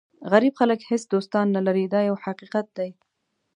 غریب خلک هېڅ دوستان نه لري دا یو حقیقت دی.